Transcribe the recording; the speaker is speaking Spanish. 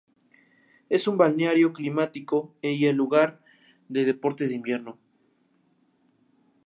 Es un balneario climático y lugar de deportes de invierno.